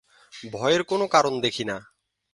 ভয়ের কোনো কারণ দেখি না।